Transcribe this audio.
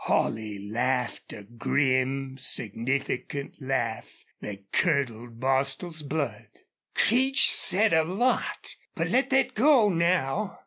Holley laughed a grim, significant laugh that curdled Bostil's blood. "Creech said a lot! But let thet go now....